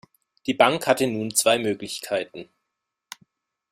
Die Bank hatte nun zwei Möglichkeiten.